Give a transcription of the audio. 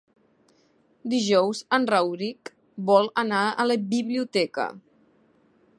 Dijous en Rauric vol anar a la biblioteca.